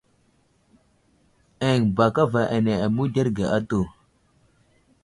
Eŋ ba kava ane aməwuderge atu.